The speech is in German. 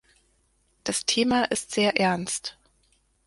Das Thema ist sehr ernst.